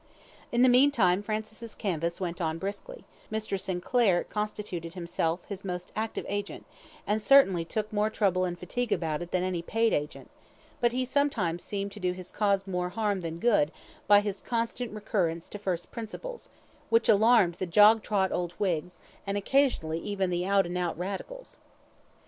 In the meantime Francis' canvass went on briskly; Mr. Sinclair constituted himself his most active agent, and certainly took more trouble and fatigue about it than any paid agent; but he sometimes seemed to do his cause more harm than good by his constant recurrence to first principles, which alarmed the jog trot old Whigs, and occasionally even the out and out Radicals.